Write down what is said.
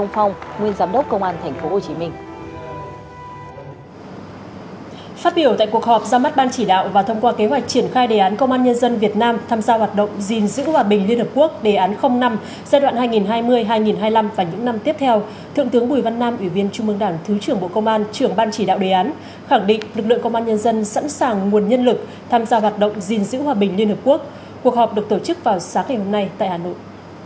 phát biểu tại cuộc họp ra mắt ban chỉ đạo và thông qua kế hoạch triển khai đề án công an nhân dân việt nam tham gia hoạt động gìn giữ hòa bình liên hợp quốc đề án năm giai đoạn hai nghìn hai mươi hai nghìn hai mươi năm và những năm tiếp theo thượng tướng bùi văn nam ủy viên trung mương đảng thứ trưởng bộ công an trưởng ban chỉ đạo đề án khẳng định lực lượng công an nhân dân sẵn sàng nguồn nhân lực tham gia hoạt động gìn giữ hòa bình liên hợp quốc cuộc họp được tổ chức vào sáng ngày hôm nay tại hà nội